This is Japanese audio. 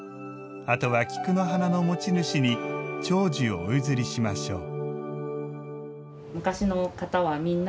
あとは菊の花の持ち主に長寿をお譲りしましょう。